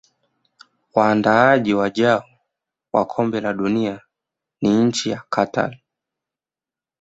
waandaaji wajao wa kombe la dunia ni nchi ya Qatar